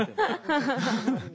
ハハハッ。